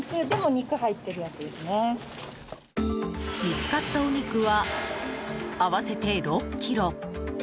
見つかったお肉は合わせて６ｋｇ。